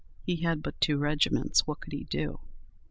He had but two regiments! What could he do?